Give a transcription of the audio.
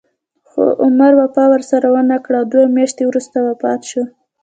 خو عمر وفا ورسره ونه کړه او دوه میاشتې وروسته وفات شو.